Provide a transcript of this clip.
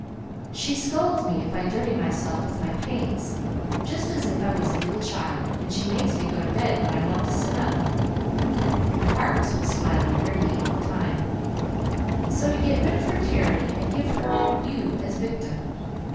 She scolds me if I dirty myself with my paints, just as if I was a little child; and she makes me go to bed when I want to sit up," Parkes was smiling grimly all the time; "so to get rid of her tyranny I give her you as victim.